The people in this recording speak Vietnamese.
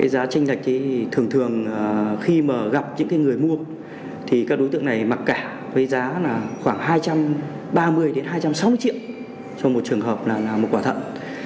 giá tranh lệch thường thường khi mà gặp những người mua thì các đối tượng này mà cả với gá khoảng hai trăm ba mươi hai trăm sáu mươi triệu trong trường hợp một quả thận